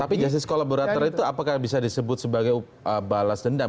tapi justice collaborator itu apakah bisa disebut sebagai balas dendam